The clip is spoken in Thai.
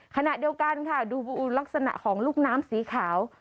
ขณะเดียวกันค่ะดูลักษณะของลูกน้ำสีขาว